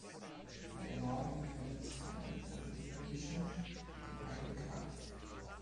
In der Norden befindet sich eine Wandnische mit dem Heiligen Grab.